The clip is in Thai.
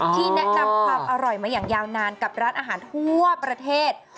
ที่แนะนำความอร่อยมาอย่างยาวนานกับร้านอาหารทั่วประเทศ